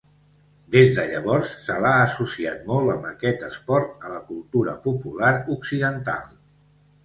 Des de llavors, se l'ha associat molt amb aquest esport a la cultura popular occidental.